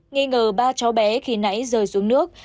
nghe ngờ ba cháu bé khi nãy rời xuống nước